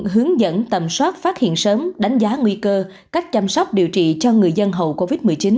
hướng dẫn tầm soát phát hiện sớm đánh giá nguy cơ cách chăm sóc điều trị cho người dân hậu covid một mươi chín